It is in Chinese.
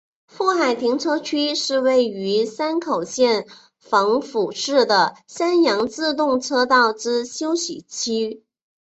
富海停车区是位于山口县防府市的山阳自动车道之休息区。